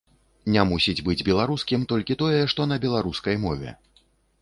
Не мусіць быць беларускім толькі тое, што на беларускай мове.